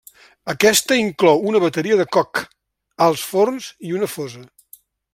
Aquesta inclou una bateria de coc, alts forns i una fosa.